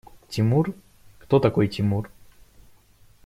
Тимур? Кто такой Тимур?